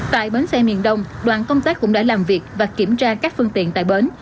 tại bến xe miền đông đoàn công tác cũng đã làm việc và kiểm tra các phương tiện tại bến